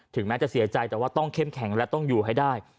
แม้จะเสียใจแต่ว่าต้องเข้มแข็งและต้องอยู่ให้ได้